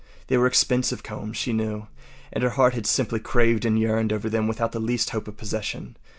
They were expensive combs, she knew, and her heart had simply craved and yearned over them without the least hope of possession.